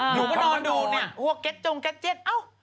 อ๊าวถ้าหนูก็นอนดูเนี่ยก็ว่า